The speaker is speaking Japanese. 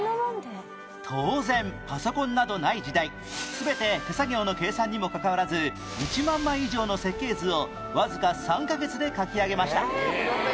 当然パソコンなどない時代全て手作業の計算にもかかわらず１万枚以上の設計図をわずか３カ月で描き上げました